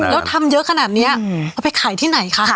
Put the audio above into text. แล้วทำเยอะขนาดนี้เอาไปขายที่ไหนคะ